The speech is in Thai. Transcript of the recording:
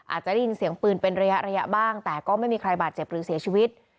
อาจจะได้ยินเสียงปืนเป็นระยะระยะบ้างแต่ก็ไม่มีใครบาดเจ็บหรือเสียชีวิต